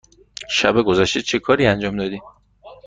شب گذشته چه کاری انجام دادی؟